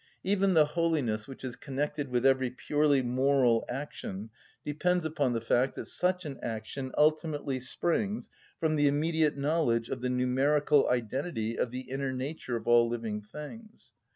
Even the holiness which is connected with every purely moral action depends upon the fact that such an action ultimately springs from the immediate knowledge of the numerical identity of the inner nature of all living things.